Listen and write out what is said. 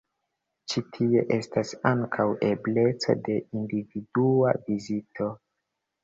Ĉi tie estas ankaŭ ebleco de individua vizito.